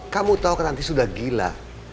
kamu tahu kan nanti sudah gila